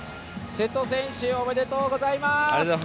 瀬戸選手おめでとうございます。